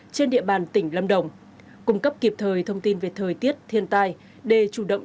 trên địa bàn tỉnh lâm đồng cung cấp kịp thời thông tin về thời tiết thiên tai để chủ động